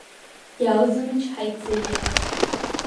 Иаалзымычҳаит Заира.